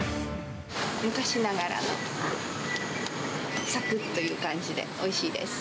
昔ながらのさくっという感じで、おいしいです。